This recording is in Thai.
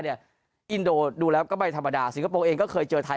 อินโดดูแล้วก็ไม่ธรรมดาสิงคโปร์เองก็เคยเจอไทย